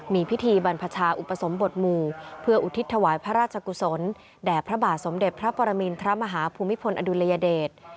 มีพิธีบรรพชาอุปสมบทหมู่เพื่ออุทิศถวายพระราชกุศลแด่พระบาทสมเด็จพระปรมินทรมาฮภูมิพลอดุลยเดช